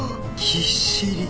ぎっしり！